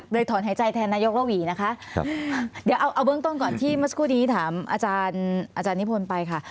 ถอนหายใจแทนนายกระหวีนะคะเดี๋ยวเอาเบื้องต้นก่อนที่เมื่อสักครู่นี้ถามอาจารย์นิพนธ์ไปค่ะ